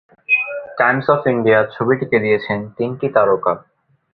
Times of India ছবিটিকে দিয়েছেন তিনটি তারকা।